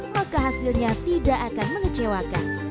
maka hasilnya tidak akan mengecewakan